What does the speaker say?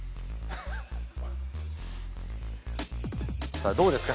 さあどうですか？